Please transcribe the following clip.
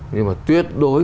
nhưng mà tuyệt đối